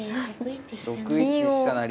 ６一飛車成と。